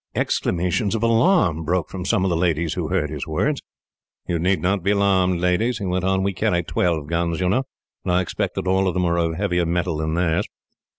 Exclamations of alarm broke from some of the ladies who heard his words. "You need not be alarmed, ladies," he went on. "We carry twelve guns, you know, and I expect that all of them are of heavier metal than theirs.